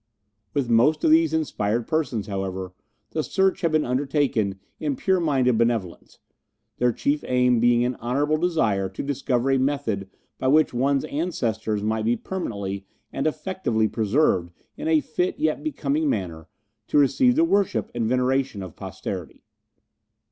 With most of these inspired persons, however, the search had been undertaken in pure minded benevolence, their chief aim being an honourable desire to discover a method by which one's ancestors might be permanently and effectively preserved in a fit and becoming manner to receive the worship and veneration of posterity.